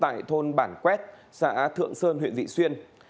tại thôn bản quét xã thượng sơn huyện vị xuyên